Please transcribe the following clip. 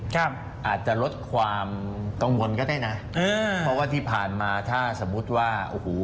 ครับอาจจะลดความกังวลก็ได้นะเออเพราะว่าที่ผ่านมาถ้าสมมุติว่าโอ้โห